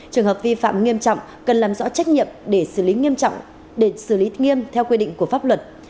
trường hợp vi phạm nghiêm trọng cần làm rõ trách nhiệm để xử lý nghiêm trọng để xử lý nghiêm theo quy định của pháp luật